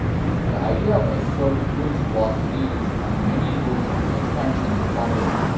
The idea of "Expert" rules was re-used, and many rules expansions followed.